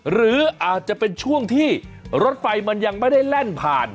หรืออาจจะเป็นช่วงที่รถไฟมันยังไม่ได้แล่นผ่าน